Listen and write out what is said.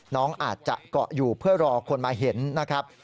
น้องอาจจะเกาะอยู่เพื่อรอคนมาเห็นนะครับ